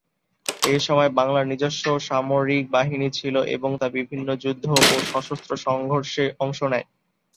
এসময় বাংলার নিজস্ব সামরিক বাহিনী ছিল এবং তা বিভিন্ন যুদ্ধ ও সশস্ত্র সংঘর্ষে অংশ নেয়।